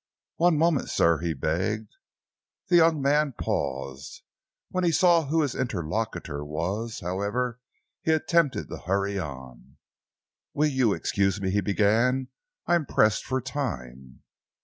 "One moment, sir," he begged. The young man paused. When he saw who his interlocutor was, however, he attempted to hurry on. "You will excuse me," he began, "I am pressed for time."